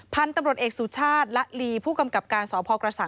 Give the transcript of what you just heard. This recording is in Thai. พันธุ์ตำรวจเอกสุชาติละลีผู้กำกับการสพกระสัง